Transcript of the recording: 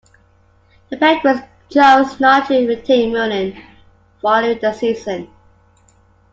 The Penguins chose not to retain Mullen following the season.